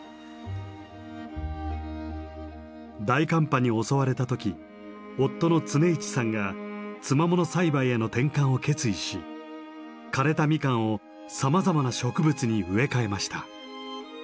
大寒波に襲われた時夫の常一さんがつまもの栽培への転換を決意し枯れたミカンをさまざまな植物に植え替えました。